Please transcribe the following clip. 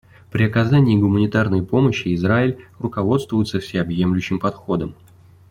При оказании гуманитарной помощи Израиль руководствуется всеобъемлющим подходом.